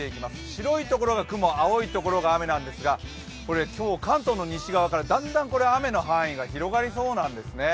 白いところが雲、青いところが青空なんですが今日、関東の西側からだんだん雨の範囲が広がりそうなんですね。